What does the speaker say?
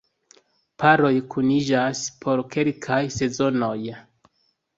Paroj kuniĝas por kelkaj sezonoj.